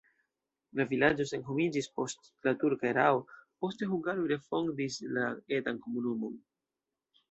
La vilaĝo senhomiĝis post la turka erao, poste hungaroj refondis la etan komunumo.